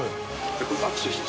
Ｅ握手して。